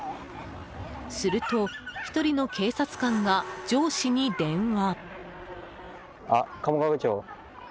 すると１人の警察官が上司に電話。